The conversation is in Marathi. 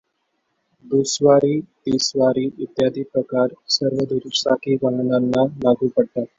दुस्वारी, तिस्वारी इत्यादी प्रकार सर्व दुचाकी वाहनांना लागू पडतात.